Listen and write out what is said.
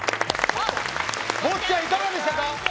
坊ちゃん、いかがでしたか。